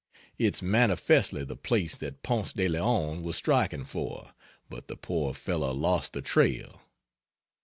It's manifestly the place that Ponce de Leon was striking for, but the poor fellow lost the trail.